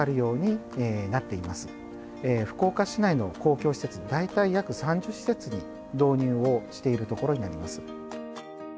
福岡市内の公共施設大体約３０施設に導入をしているところになります。